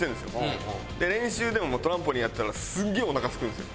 練習でもトランポリンやったらすげえおなかすくんですよ。